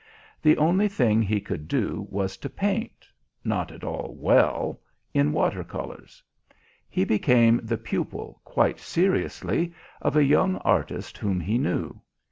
The only thing he could do was to paint, not at all well, in water colours. He became the pupil, quite seriously, of a young artist whom he knew.